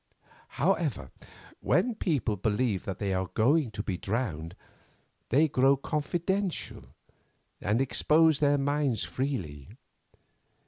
However, when people believe that they are going to be drowned they grow confidential, and expose their minds freely.